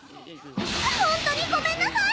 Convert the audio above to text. ホントにごめんなさい！